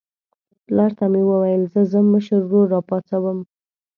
پلار ته مې وویل زه ځم مشر ورور راپاڅوم.